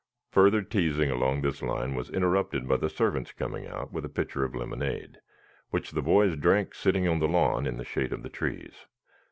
Further teasing along this line was interrupted by the servants coming out with a pitcher of lemonade, which the boys drank sitting on the lawn in the shade of the trees.